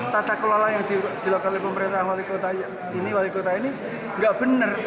tata kelola yang dilakukan oleh pemerintah wali kota ini nggak benar